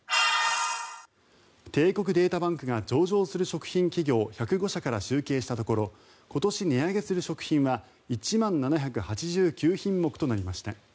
帝国データバンクが上場する食品企業１０５社から集計したところ今年値上げする食品は１万７８９品目となりました。